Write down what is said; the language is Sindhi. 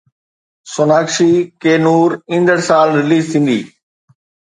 سوناڪشي ڪي نور ايندڙ سال رليز ٿيندي